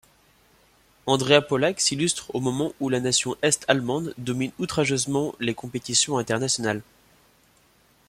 Andrea Pollack s'illustre au moment où la natation est-allemande domine outrageusement les compétitions internationales.